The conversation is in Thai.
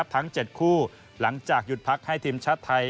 ทั้ง๗คู่หลังจากหยุดพักให้ทีมชาติไทย